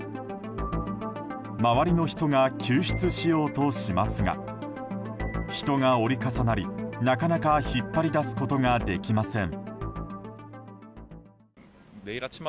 周りの人が救出しようとしますが人が折り重なりなかなか引っ張り出すことができません。